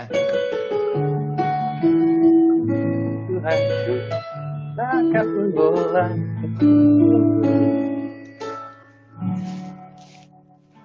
tuhan ku tak akan membolehkan ku